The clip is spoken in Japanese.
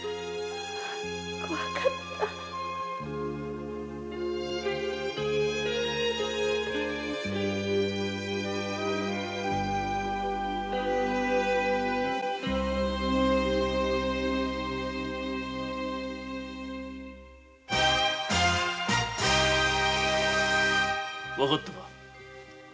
怖かったわかったか？